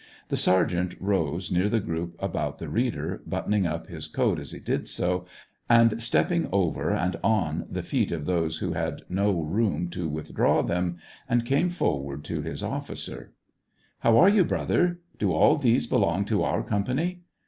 The sergeant rose near the group about the reader, buttoning up his coat as he did so, and stepping over and on the feet of those who had no room to withdraw them, and came forward to his officer. Iq8 SEVASTOPOL IN AUGUST. " How are you, brother ? Do all these belong to our company